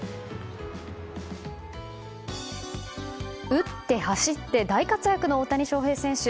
打って走って大活躍の大谷翔平選手。